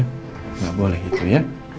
enggak boleh gitu ya